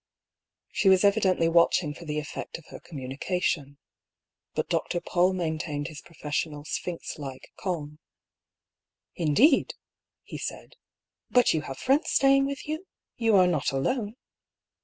She was evidently watching for the effect of her communication. But Dr. Paull maintained his profes sional sphinx like calm. " Indeed !" he said. " But you have friends staying with you ? You are not alone